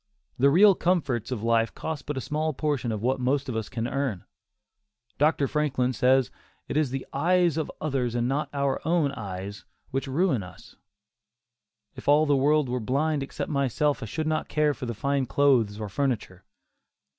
The real comforts of life cost but a small portion of what most of us can earn. Dr. Franklin says "it is the eyes of others and not our own eyes which ruin us. If all the world were blind except myself I should not care for fine clothes or furniture."